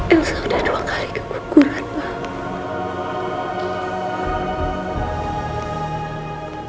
elsa sudah dua kali keguguran pak